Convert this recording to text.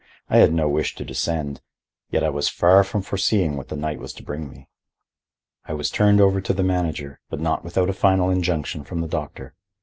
I had no wish to descend. Yet I was far from foreseeing what the night was to bring me. I was turned over to the manager, but not without a final injunction from the doctor.